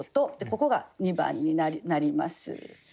ここが２番になります。